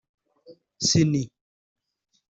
Ciney